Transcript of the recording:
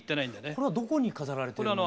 これはどこに飾られてるんですか？